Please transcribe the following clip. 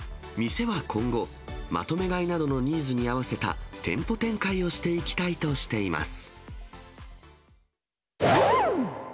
店は今後、まとめ買いなどのニーズに合わせた店舗展開をしていきたいとしています。